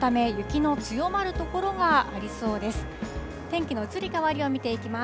このため雪の強まる所がありそうです。